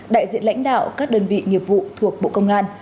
đại diện lãnh đạo các đơn vị nghiệp vụ thuộc bộ công an